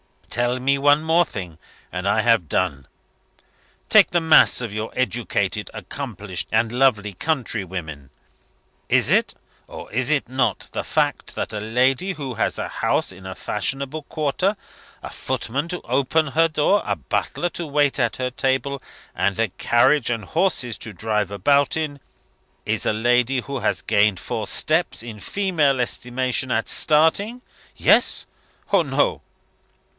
Tell me one more thing, and I have done. Take the mass of your educated, accomplished, and lovely country women, is it, or is it not, the fact that a lady who has a house in a fashionable quarter, a footman to open her door, a butler to wait at her table, and a carriage and horses to drive about in, is a lady who has gained four steps, in female estimation, at starting? Yes? or No?"